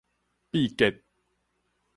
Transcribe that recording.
祕結